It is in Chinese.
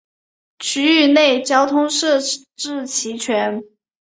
区域内交通设置齐全。